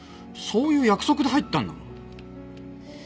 そういう約束で入ったんだもん。